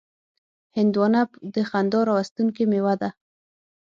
هندوانه د خندا راوستونکې میوه ده.